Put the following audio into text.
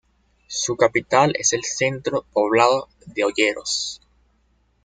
Su capital es el centro poblado de "Olleros".